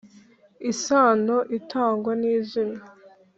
isano itangwa n’izina